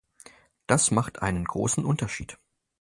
Das macht einen großen Unterschied.